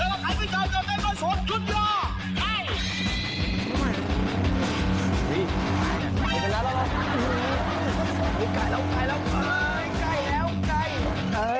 เอาละครับสุดแห่งสันสี๕๓ที่ส่วนโยนนี้จะเป็นใคร